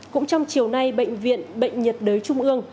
cũng trong chiều nay bệnh viện bệnh nhiệt đới trung ương